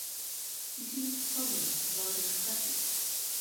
He seemed puzzled and rather fretted.